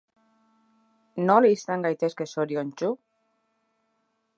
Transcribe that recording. Nola izan gaitezke zoriontsu?